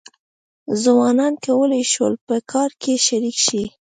ځوانانو کولای شول په کار کې شریک شي.